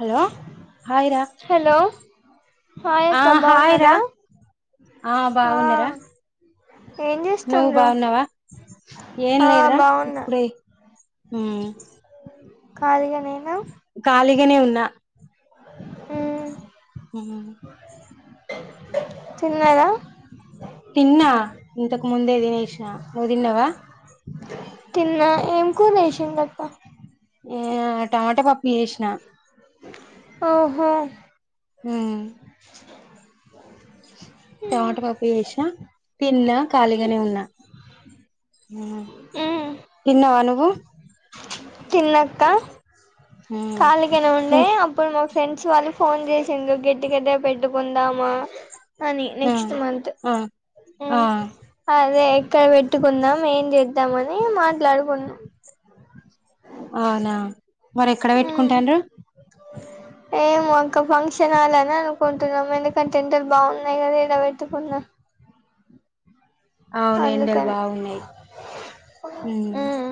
Hello hi రా hello hi హా అక్క హాయ్ రా బాగున్నారా ఆ బాగున్నార ఏం నువ్ చేస్తుండ్రు బాగున్నావా ఏం ఆ లేదురా బాగున్నా ఇప్పుడే హ ఖాళీగా నేనా ఖాళీగానే ఉన్నా ఆ హ తిన్నలేద తిన్నా ఇంతకు ముందే తినేసిన నువ్వు తిన్నావా తిన్నా ఏం కూర చేసిండ్రు అక్క ఏ టమాటో పప్పు చేసిన ఓహో హ టమాట పప్పు చేసిన తిన్న ఖాళీగానే ఉన్నా మ్మ్ తిన్నావా నువ్వు తిన్నక్క ఉమ్ ఖాళీగానే ఉండే ఇంక అప్పుడు మా ఫ్రెండ్స్ వాళ్లు ఫోన్ చేసిండ గెట్ టుగెదర్ పెట్టుకుందామా అని ఆ నెక్స్ట్ మంత్ ఆ ఆ అదే ఇక్కడ పెట్టుకుందాం ఏం చేద్దాం అని మాట్లాడుకున్నాం అవునా మరి ఎక్కడ మ్మ్ పెట్టుకుంటానురు ఏమో అక్క ఫంక్షనాలని అనుకుంటున్నాము ఎందుకంటే టెండర్ బాగున్నాయి కదా ఏదో పెట్టుకున్నా అవును ఎండలు బాగున్నాయి హ ఉమ్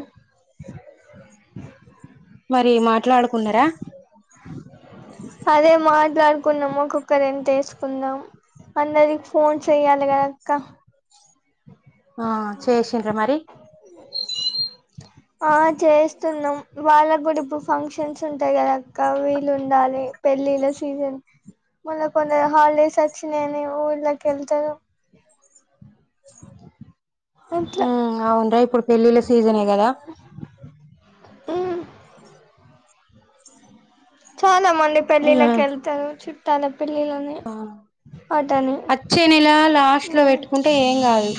మరి మాట్లాడుకున్నారా అదే మాట్లాడుకున్నాము ఒక్కొక్కరు ఎంత వేసుకుందాం అందరికి ఫోన్ చెయ్యాలి కదా అక్క ఆ చేసిండ్రా మరి ఆ చేస్తున్నాం వాళ్ళకు కూడా ఇప్పుడు ఫంక్షన్స్ ఉంటాయి కదా అక్క వీళ్ళు ఉండాలి పెల్లిల్లా సీజన్ మళ్ళా కొందరు హాలిడేస్ వచ్చినాయని ఊర్ళకి వెళ్తారు అట్లా అవునురా ఇప్పుడు పెళ్ళిళ్ళ సీజనే కదా ఉమ్ చాలా మంది పెళ్ళిళ్ళకి ఉమ్, వెళ్తారు చుట్టాల పెళ్లిలని ఆ. అటాని అచ్చే నెల లాస్ట్ లో పెట్టుకుంటే ఏం కాదు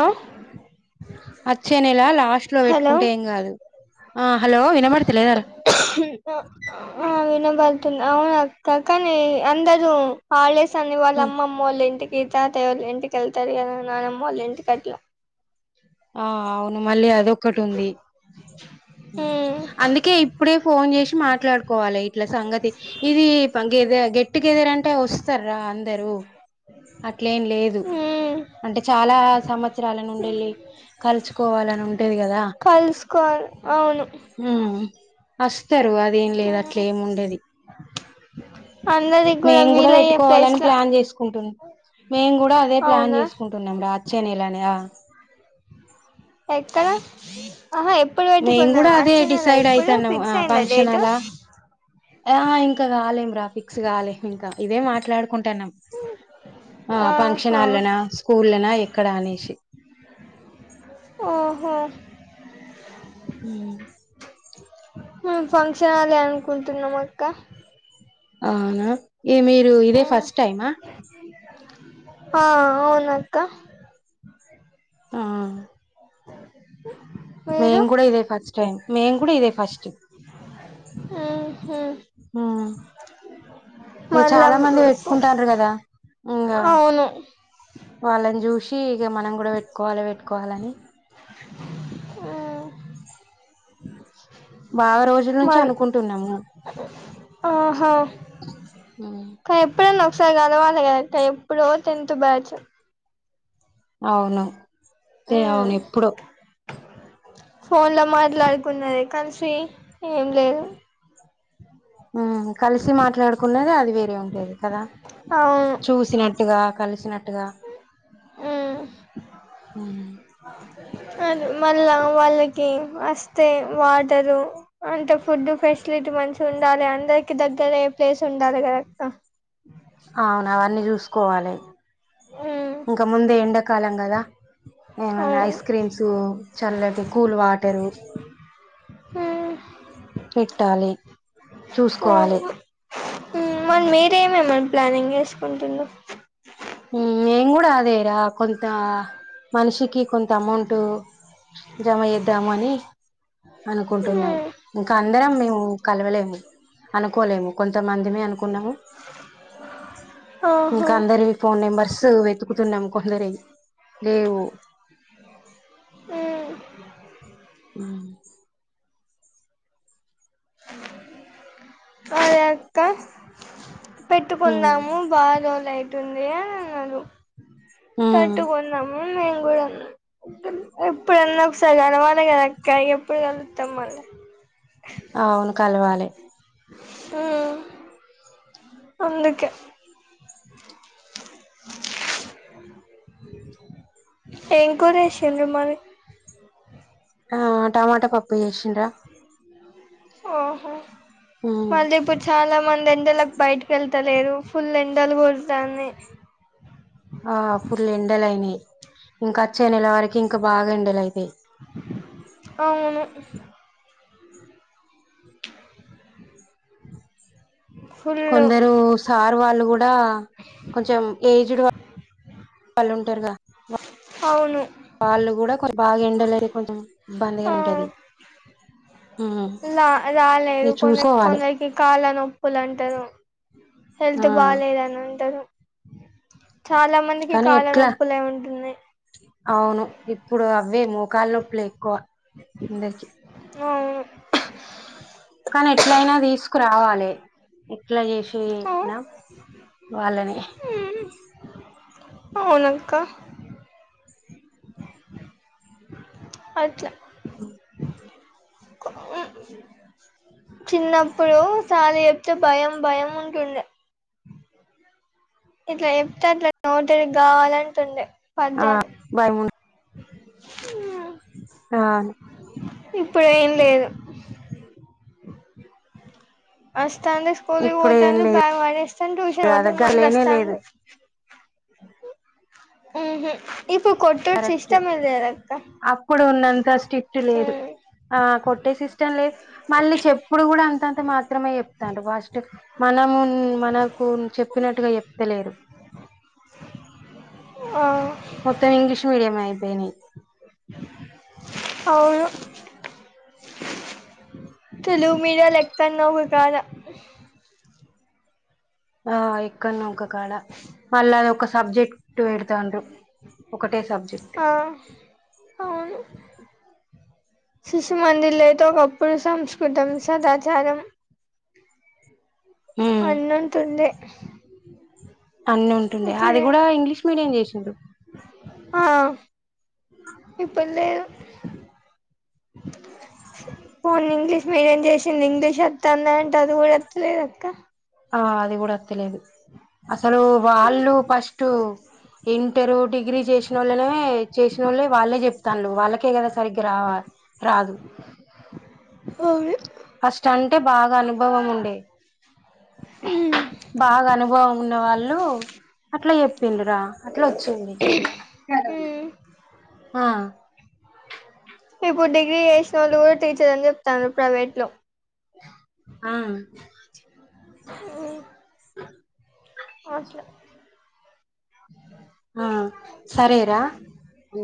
ఆ అచ్చేనేలా లాస్ట్ లో హలో పెట్టుకుంటే ఏం కాదు ఆ హలో విన మతల దారా వెళ్తుంది అవునా కానీ అందరూ హాలిడేస్ అని వాళ్ళ ఉమ్, అమ్మ అమ్మ వాళ్ళ ఇంటికి గీతా తయ వాళ్ళ ఇంటికిళ్తారు అ నానమ్మ వాళ్ళ ఇంటి కట్ల ఆ అవును మల్లి అది ఒక్కటి వుంది మ్మ్ అందుకే ఇప్పుడే ఫోను చేసి మాట్లాడుకోవాలి ఇట్ల సంగతి ఇది గెద గెట్ టు గెదర్ అంటే వస్తారా అందరుూ అట్లేం లేదు మ్మ్ అంటే చాలా సంవత్సరాల నుండిళ్ళి కలుసుకోవాలని ఉంటేది కదా కలుసుకోవాలి అవును హ వస్తారు అదేం లేదు అట్ల ఏముండేది అ మేము కూడా పెట్టుకోవాలని ప్లాన్ చేసుకుంటుం మేము కూడా అదే ప్లాన్ అవునా చేసుకుంటున్నాం రా అచ్చేనే ఇలానే ఎక్కడ ఆహా ఎప్పుడు మేము పెట్టుకుందాం కూడా అ అదే చిన్నదా డిసైడ్ ఎప్పుడు అయితున్నాం ఆ ఫిక్స్ అయ్యిందా ఫంక్షన్ డేటు అలా ఆ ఇంకా కాలేం రా ఫిక్స్ కాలే ఇంకా ఇదే మాట్లాడుకుంట ఊ ఆ ఫంక్షన్హాల్లోనా స్కూళ్ళనా ఎక్కడా అనేసి ఓహో ఊ మేం ఫంక్షన్హాలే అనుకుంటున్నాం అక్క అవునా ఈ మీరు ఇదే ఫస్ట్ టైమా ఆ అవునాక్క ఆ అ మేం కూడా ఇదే ఫస్ట్ టైం మేం కూడా ఇదే ఫస్ట్ ఉహు ఆ ఇగ మళ్ళా చాలా మంది పెట్టుకుంటారు కదా ఇంగా అవును వాళ్ళని చూసి ఇగ మనం కూడా పెట్టుకోవాలె పెట్టుకోవాలె అని ఊ బాగా రోజుల నుంచి మాది అనుకుంటున్నాము ఆహా ఎప్పుడన్నా ఒకసారి గలవాలె కదక్కా ఎప్పుడో టెన్త్బ్యాచ్చు అవును ఎ ఉమ్ అవును ఎప్పుడు ఫోన్ లో మాట్లాడుకున్నది కలిసి ఏం లేదు కలిసి మాట్లాడుకున్నది అది వేరే ఉంటేది కదా అవును చూసినట్టుగా కలిసినట్టుగా ఉమ్ అది మళ్ళా వాళ్ళకి వస్తే వాటరు అంటే ఫుడ్ ఫెసిలిటీ మంచి ఉండాలి అందరికి దగ్గర ప్లేస్ ఉండాలి కదక్కా అవును అవన్నీ చూసుకోవాలి‌ ఊ ఇంక ముందు ఎండ కాలం కదా ఏమైనా అవును ఐస్ క్రీమ్స్ చల్లటి కూల్ వాటరు ఉమ్ ఇట్టాలి ఓనుగు మ ఉమ్ మీరేమేమని ప్లానింగ్ చేసుకుంటున్నా మేము కూడా అదేరా కొంత మనిషికి కొంత అమౌంట్ జమ చేద్ధామని అనుకుంటున్నాం మ్మ్ ఇంకా అందరం మేము కలవలేము అనుకోలేము కొంతమందిమే అనుకున్నాము ఆహా నెంబర్సు వెతుకుతున్నాం కొందరి వి లేవు ఉ ఊ అ యక్క పెట్టుకుందాము బా రోజులై తుంది అని అన్నారు ఉమ్ తట్టుకుందాము మేంగూడ అన్నా ఎప్పుడున్నా ఒకసారి కలవాలి కదా అక్క ఎప్పుడు కలుత్తాం మళ్ళా అవును కలవాలే ఊ అందుకే ఏం కూర చేసిండ్రు మరి ఆ టమాటా పప్పు జేసిన్రా ఆహా ఉమ్ మళ్ళీ ఇప్పుడు చాలా మంది ఎండలకు బయటికెళ్తలేరు ఫుల్ ఎండలు కొడతా ఉన్నయ్ ఆ ఫుల్ ఎండలు అయినాయి ఇంకా వచ్చేనెల వరకి ఇంకా బాగా ఎండలు అయితయి అవును [unintelligible] ఫుల్ [inaudible] కొందరు సార్ వాళ్ళు గూడా కొంచెం ఏజ్ డ్ వాళ్ళు వాళ్ళు ఉంటారుగా అవును వాళ్ళు గూడా కొంచెం బాగా ఎండలై కొంచెం ఇబ్బందిగానే ఆ ఉంటది. ఉమ్ లా రాలేదు ఇగ కొన్ని చూసుకోవాలి కొందరికి కాళ్ళ నొప్పులు అంటారు. హెల్త్ ఆ బాలేదని అంటరు. చాలా మందికి కానీ ఎట్లా కాళ్ళనొప్పులే ఉంటున్నయ్ అవ్వే మోకాళ్ళ నొప్పులే ఎక్కువ అందరికి అవును కానీ ఎట్లయినా దీస్ రావాలి ఎట్లా జేసి న వాళ్ళని అవును అక్క అట్ల ఉమ్ చిన్నప్పుడు సార్లు చెప్తే భయం భయం ఉంటు ఉండే ఇట్లా చెప్తే అట్లా నోటికి గావాలంటుండే ఆ వారిముందు ఊహా ఆవును ఇప్పుడు ఏం లేదు వస్తాంది స్కూల్ కి ఇప్పుడు ఏం పోతాంది లేదు బ్యాగ్ పడేస్తరు ట్యూషన్ ఆ పోతురు దగ్గర మళ్ళీ లేనే లేదు వస్తాంది. ఊహు ఇప్పుడు కొట్టుడు కరెక్ట్ సిస్టమే లేదు అక్క అప్పుడు ఉన్నంత స్ట్రిక్ట్ లేదు ఆ కొట్టే సిస్టంలేదు మళ్ళీ చెప్పుడు కూడా అంతంత మాత్రమే చెప్తాండ్రు ఫస్ట్ మనము మనకు చెప్పినట్టుగా చెప్తలేరు ఆ మొత్తం ఇంగ్లీష్ మీడియం అయిపోయినయ్ వోళ్ళు తెలుగు మీడియాలు లెక్క నో ఒక కాడా ఆ ఎక్కన్నా ఒక కాడా మళ్ళీ అది ఒక సబ్జెక్ట్ టూ పెడతార్రు ఒకటే సబ్జెక్ట్ ఆ అవును [inaudible] శిశు మందిర్ లో ఐతే ఒకప్పుడు సంస్కృతం సదాచారం ఉమ్ అన్నం తినలే అన్ని ఉంటుండే అది కూడా ఇంగ్లీష్ మీడియం చేసిండ్రు ఆ ఇప్పుడు లేదు పోనీ ఇంగ్లీష్ మీడియం చేసింది ఇంగ్లీష్ వతుందా అంటే అది గూడా వత్తలేదు అక్క ఆ అది గూడా వత్తలేదు అసలు వాళ్ళు ఫస్ట్ ఎ ఇంటర్ డిగ్రీ జేసిన వోళ్ళనే చేసిన వోళ్ళే వాళ్ళే జెప్తాండ్రు వాళ్ళకే గదా సరిగ్గా రావా రాదు అవును ఫస్ట్ అంటే బాగా అనుభవం ఉండే ఉ బాగా అనుభవం ఉన్న వాళ్ళు అట్లా చెప్పిండు రా అట్లా వచ్చింది ఉమ్ ఆ ఇప్పుడు డిగ్రీ చేసిన వాళ్ళు కూడా టీచర్ అని చెప్తారు ప్రైవేట్ లో ఆ ఆ అట్లా ఆ సరేరా ఉ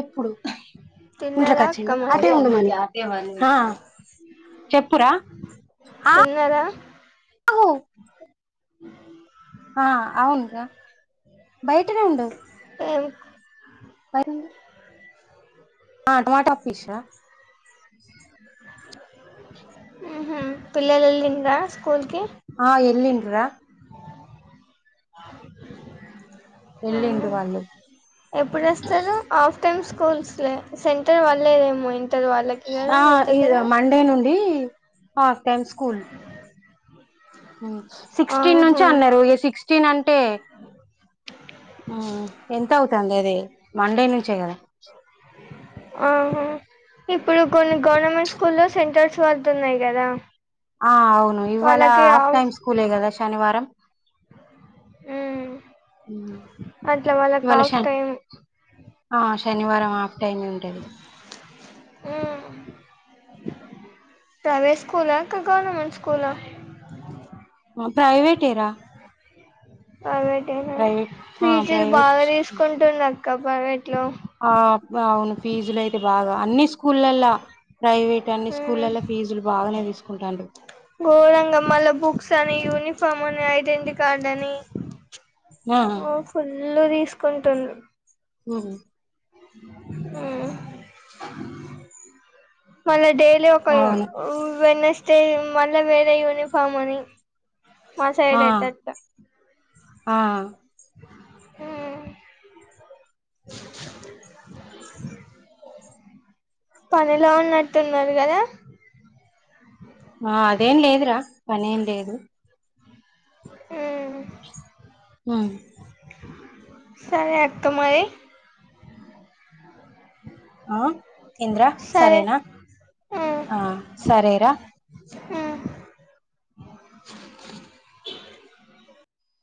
ఎప్పుడు ఇంట్లోకి తిన్నారా అక్క వచ్చిండా మరి అటే ఉండమను ఇగ హా చెప్పురా ఆ తిన్నారా ఉ ఆ అవునురా బయటనే ఉండు ఏక్ పైనుండు ఆ టమాటా ఫిష ఉహూ పిల్లలు వెళ్ళిరా స్కూల్కిి ఆ ఎల్లిండ్రు రా ఎల్లిండ్రు వాళ్ళు ఆ ఎప్పుడు వస్తారు ఆఫ్ టైమ్స్ స్కూల్స్ లే సెంటర్ వళ్లేదేమో ఇంకా ఆ ఇ మండే నుండి హాఫ్ టైమ్ స్కూల్ ఉ సిక్స్టీన్ నుంచి ఆహా అన్నారు ఏ సిక్స్టీన్ అన్ టే ఎంత అవుతాంది అది మండే నుంచే కదా ఆహా ఇప్పుడు కొన్ని గవర్నమెంట్ స్కూల్లో సెంటర్స్ పడుతున్నాయి కదా ఆ అవును ఇవాళ హాఫ్ టైమ్ స్కూలే కదా శనివారం మ్మ్ ఉ అట్లా వాళ్ళకి ఇవాళ హాఫ్ శన్ టైమ్ ఆ శనివారం ఆాఫ్ టైమ్ ఉంటది మ్మ్ ప్రైవేట్ స్కూల్ ఆ అక్క గవర్మెట్ స్కూల్ ఆ ప్రైవేట్ ఏరా ప్రైవేట్నా ఆ ఫీజులు ప్రైవేట్ బాగా తీసుకుంటుండు అక్క ప్రైవేట్లో ఆప్ ఆ అవును ఫీజులు అయితే బాగా అన్ని సు స్కూల్ల్లో ప్రైవేట్ అన్ని మ్మ్ స్కూల్ల్లో ఫీజులు బాగానే తీసుకుంటాండ్రు గోరంగా మల్ల బుక్స్ అని యూని ఫని ఐడెంటిటీ కార్డ్ అని ఆ ఓ ఫుల్ తీస్ కుంటుండ్రు ఉ ఉ మల్ల డే మళ్ళీ ఒక యు అవును వెన్నస్టే మళ్ళీ వేరే యూనిఫామ్ అని మా ఆ సైడ్ అయితే అట ఆ హ్మ్ పనిలో ఉన్నట్టున్నారు కదా ఆ అదేం లేదురా పనేం లేదు ఉమ్, సరే అక్క మరి ఆ ఏందిరా సరే సరేనా ఆ సరేరా హ్మ్